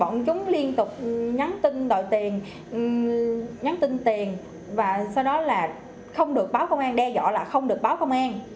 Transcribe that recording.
nói chung là nhắn tin tiền và sau đó là không được báo công an đe dọa là không được báo công an